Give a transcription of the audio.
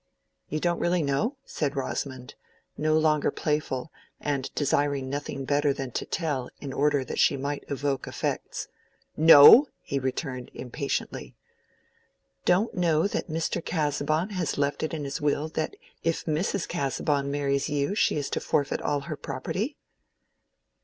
"You don't really know?" said Rosamond, no longer playful, and desiring nothing better than to tell in order that she might evoke effects. "No!" he returned, impatiently. "Don't know that Mr. Casaubon has left it in his will that if Mrs. Casaubon marries you she is to forfeit all her property?"